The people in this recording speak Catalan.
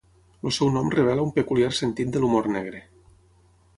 El seu nom revela un peculiar sentit de l'humor negre.